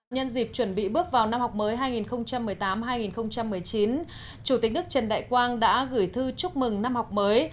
nhân dịp chuẩn bị bước vào năm học mới hai nghìn một mươi tám hai nghìn một mươi chín chủ tịch nước trần đại quang đã gửi thư chúc mừng năm học mới